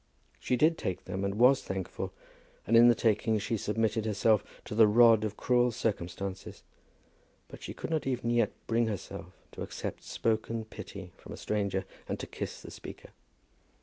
She did take them, and was thankful; and in the taking she submitted herself to the rod of cruel circumstances; but she could not even yet bring herself to accept spoken pity from a stranger, and to kiss the speaker.